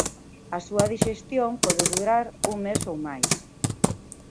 A súa dixestión pode durar un mes o máis.